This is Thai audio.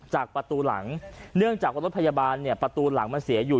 จากประตูหลังเนื่องจากว่ารถพยาบาลเนี่ยประตูหลังมันเสียอยู่